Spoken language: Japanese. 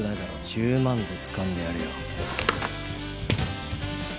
１０万でつかんでやるよ！